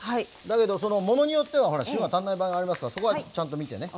だけどそのものによっては塩が足んない場合がありますからそこはちゃんと見てね。